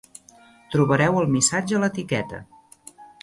Trobareu el missatge a l'etiqueta.